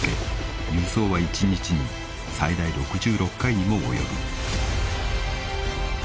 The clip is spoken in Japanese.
輸送は一日に最大６６回にも及ぶ］